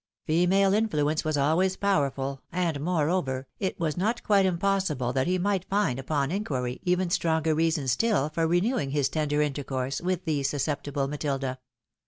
Female influence was always powerful, and, moreover, it was not quite impossible that he might find, upon inquiry, even stronger reasons still for renewing his tender intercourse with the susceptible Matilda.